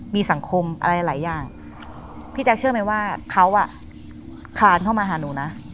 มีสังคมอะไรหลายอย่างพี่แจ๊คเชื่อไหมว่าเขาอ่ะคลานเข้ามาหาหนูนะ